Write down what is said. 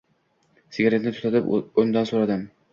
Sigaretani tutatib, undan so`radim